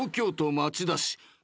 町田市に。